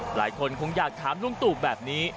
หลายคนคงอยากถามลุงตู่แบบนี้